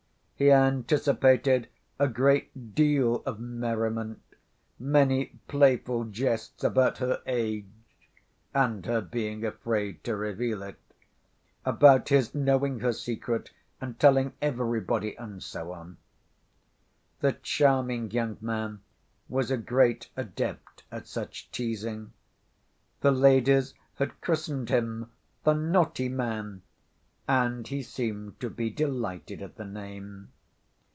He anticipated a great deal of merriment, many playful jests about her age, and her being afraid to reveal it, about his knowing her secret and telling everybody, and so on. The charming young man was a great adept at such teasing; the ladies had christened him "the naughty man," and he seemed to be delighted at the name.